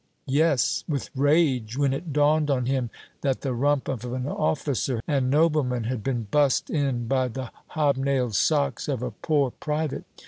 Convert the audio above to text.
"Yes, with rage, when it dawned on him that the rump of an officer and nobleman had been bust in by the hobnailed socks of a poor private!